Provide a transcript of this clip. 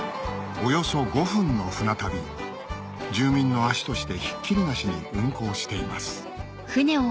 およそ５分の船旅住民の足としてひっきりなしに運航しています